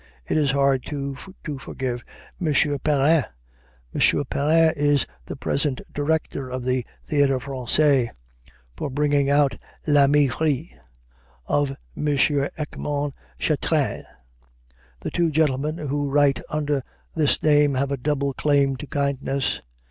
It is hard, too, to forgive M. Perrin (M. Perrin is the present director of the Théâtre Français) for bringing out "L'Ami Fritz" of M. Erckmann Chatrian. The two gentlemen who write under this name have a double claim to kindness.